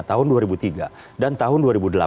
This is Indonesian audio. tahun dua ribu tiga dan tahun dua ribu delapan